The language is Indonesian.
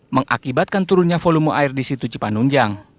mengakibatkan turunnya volume air di situ cipanunjang